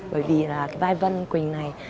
bởi vì là cái vai vân quỳnh này